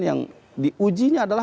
yang diuji nya adalah